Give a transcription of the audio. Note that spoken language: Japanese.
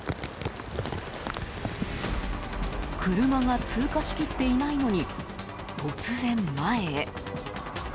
車が通過しきっていないのに突然前へ。